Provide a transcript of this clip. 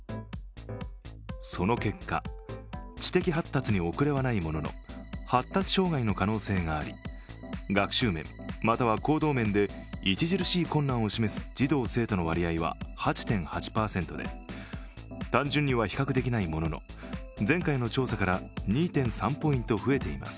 その結果、知的発達に遅れはないものの、発達障害の可能性があり、学習面または行動面で著しい困難を示す児童生徒の割合は８．８％で単純には比較できないものの前回の調査から２．３ポイント増えています。